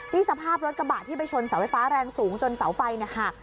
นี่สภาพรถกระบะที่ไปชนเสาไฟฟ้าแรงสูงจนเสาไฟหัก